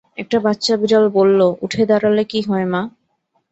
একটা বাচ্চা বিড়াল বলল, উঠে দাঁড়ালে কী হয় মা?